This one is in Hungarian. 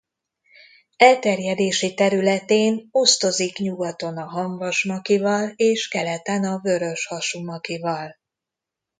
Elterjedési területén osztozik nyugaton a hamvas makival és keleten a vöröshasú makival.